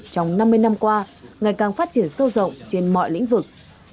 trong năm mươi năm qua ngày càng phát triển sâu rộng trên mọi lĩnh vực